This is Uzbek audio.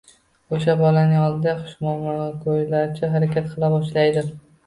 o‘sha bolaning oldida xushomadgo‘ylarcha harakat qila boshlaydi.